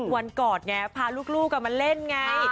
วันกอดพาลูกกลับมาเล่นไง